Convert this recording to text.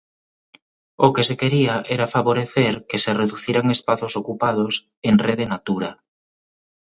O que se quería era favorecer que se reduciran espazos ocupados en Rede Natura.